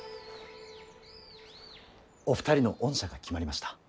お二人の恩赦が決まりました。